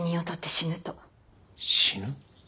死ぬ？